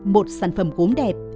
một sản phẩm gốm đẹp